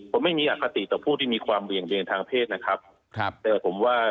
ผมไม่มีอคติต่อผู้ที่มีความเหวี่ยงเบนทางเพศนะครับครับแต่ผมว่า